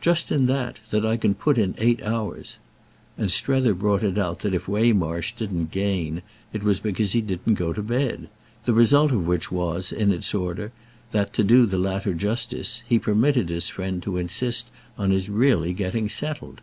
"Just in that—that I can put in eight hours." And Strether brought it out that if Waymarsh didn't "gain" it was because he didn't go to bed: the result of which was, in its order, that, to do the latter justice, he permitted his friend to insist on his really getting settled.